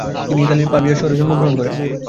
তিনি ইতালির পাভিয়া শহরে জন্মগ্রহণ করেন।